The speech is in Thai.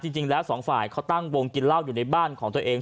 จริงแล้วสองฝ่ายเขาตั้งวงกินเหล้าอยู่ในบ้านของตัวเอง